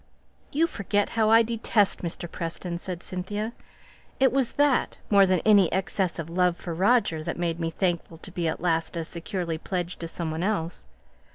"You forget how I detest Mr. Preston!" said Cynthia. "It was that, more than any excess of love for Roger, that made me thankful to be at least as securely pledged to some one else.